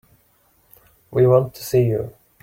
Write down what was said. We want to see you.